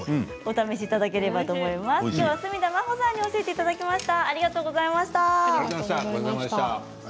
きょうは角田真秀さんに教えていただきました。